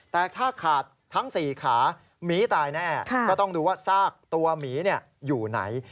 แต่ถ้าขาดทั้ง๔ขาหมีตายแน่ก็ต้องดูว่าซากตัวหมีอยู่ไหน